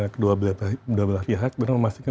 kedua belah pihak benar memastikan